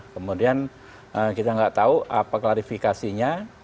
kemudian kita nggak tahu apa klarifikasinya